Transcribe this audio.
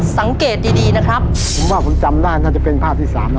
สังเกตดีดีนะครับผมว่าผมจำได้น่าจะเป็นภาพที่สามนะ